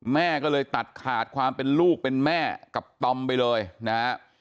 แม่ก็เลยตัดขาดความเป็นลูกเป็นแม่กับตอมไปเลยนะฮะ